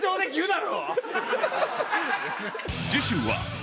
次週は